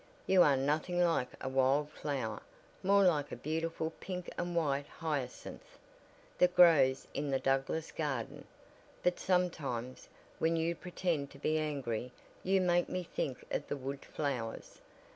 You are nothing like a wild flower, more like a beautiful pink and white hyacinth, that grows in the Douglass garden; but sometimes, when you pretend to be angry, you make me think of the wood flowers.